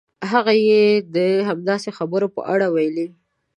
هغه یې د همداسې خبرو په اړه ویلي.